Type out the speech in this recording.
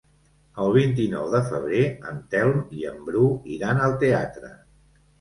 El vint-i-nou de febrer en Telm i en Bru iran al teatre.